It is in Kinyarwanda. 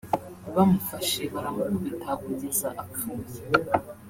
bamufashe baramukubita kugeza apfuye